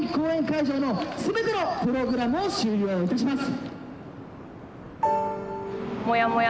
会場の全てのプログラムを終了いたします」。